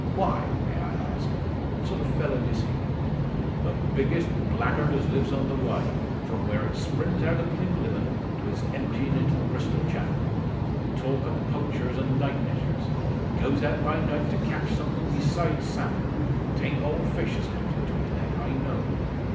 Why, may I ask? What sort of fellow is he?" "The biggest blaggard as lives on the Wye, from where it springs out o' Plinlimmon to its emptying into the Bristol Channel. Talk o' poachers an' night netters. He goes out by night to catch somethin' beside salmon. 'Taint all fish as comes into his net, I know."